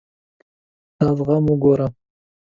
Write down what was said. دا زخم وګوره.